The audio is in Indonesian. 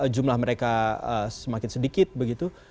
jumlah mereka semakin sedikit begitu